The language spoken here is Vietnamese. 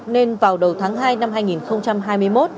nên vào đầu tháng hai năm hai nghìn hai mươi một